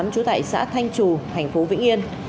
chú tải xã thanh trù thành phố vĩnh yên